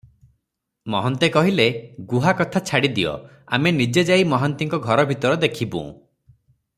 ମହନ୍ତେ କହିଲେ, "ଗୁହା କଥା ଛାଡ଼ିଦିଅ, ଆମେ ନିଜେ ଯାଇ ମହାନ୍ତିଙ୍କ ଘର ଭିତର ଦେଖିବୁଁ ।